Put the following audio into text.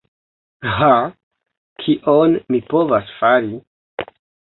Ha... kion mi povas fari.